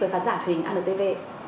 với khán giả thùy hình antv